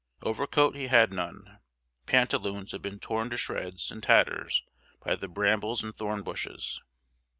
Overcoat he had none. Pantaloons had been torn to shreds and tatters by the brambles and thorn bushes.